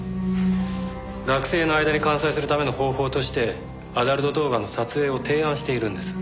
学生の間に完済するための方法としてアダルト動画の撮影を提案しているんです。